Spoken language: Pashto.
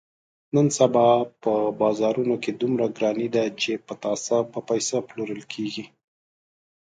نن سبا په بازارونو کې دومره ګراني ده، چې پتاسه په پیسه پلورل کېږي.